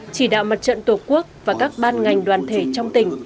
chỉ đạo mặt trận tổ quốc và các ban ngành đoàn thể trong tỉnh